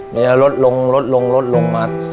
มีแบบรสลงมา